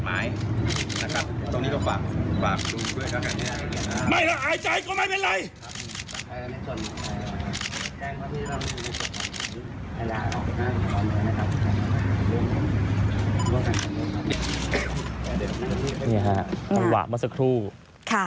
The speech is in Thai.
อ่าฟังกันเลยค่ะ